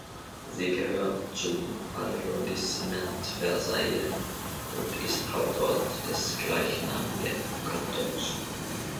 Sie gehört zum Arrondissement Versailles und ist Hauptort des gleichnamigen Kantons.